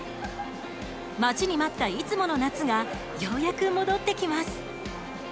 待ちに待ったいつもの夏がようやく戻ってきます。